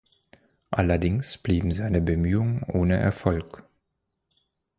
Allerdings blieben seine Bemühungen ohne Erfolg.